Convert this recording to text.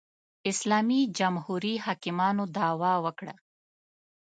اسلامي جمهوري حاکمانو دعوا وکړه